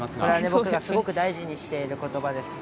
僕がすごく大事にしていることです。